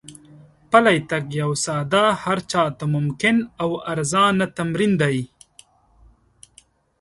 پلی تګ یو ساده، هر چا ته ممکن او ارزانه تمرین دی.